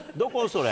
それ。